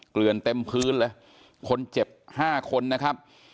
เกลือนเต็มพื้นเลยคนเจ็บห้าคนนะครับ